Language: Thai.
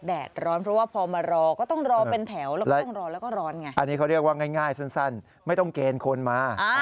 อันนี้เขาเรียกว่าง่ายสั้นไม่ต้องเกณฑ์คนมา